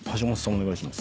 お願いします。